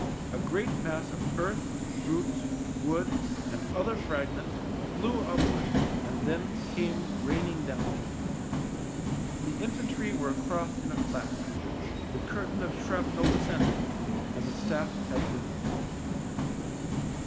A great mass of earth, roots, wood, and other fragments flew upwards and then came rain ing down again. The infantry were across in a flash — the curtain of shrapnel descended — and the staff had dinner.